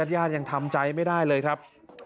ญาติยังทำใจไม่ได้เลยครับ